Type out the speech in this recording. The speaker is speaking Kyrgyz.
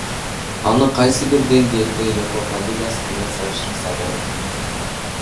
Аны кайсы бир деңгээлде Европа Лигасы менен салыштырса болот.